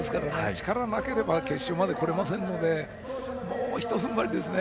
力がなければ決勝まで来れませんからもう一踏ん張りですね。